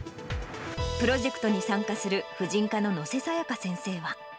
プロジェクトに参加する、婦人科の能勢さやか先生は。